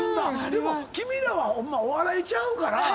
でも君らはお笑いちゃうから。